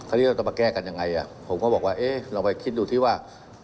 อันนี้เราจะมาแก้กันยังไงผมก็บอกว่าเอ๊ะลองไปคิดดูที่ว่า